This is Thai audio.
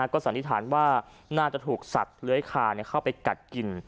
ก็สันนิษฐานว่าน่าจะถูกสัตว์เลื้อยคาเข้าไปกัดกิน